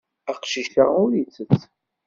Aqcic-a ur ittett.